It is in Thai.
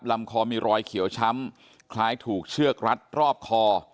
ลำคอมีรอยเขียวช้ำคล้ายถูกเชือกรัดรอบคอ